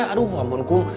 aduh ampun kom